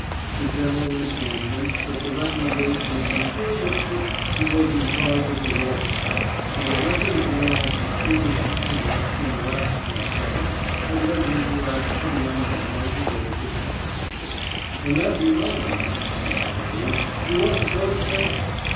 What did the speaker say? The general informed him that the recommendation of M. de B., who was in charge of the war staff, and the record of Léon's distinguished conduct in the last campaign, had led him to ask for the young man as his aide de camp. "And that reminds me," he continued, "you ought to go and thank him.